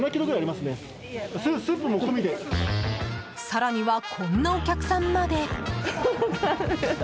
更には、こんなお客さんまで。